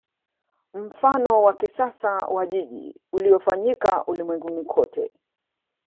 Mfano wa kisasa wa jiji uliofanyika ulimwenguni kote